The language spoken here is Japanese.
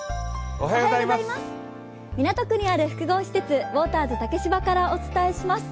港区にある複合施設、ウォーターズ竹芝からお伝えします。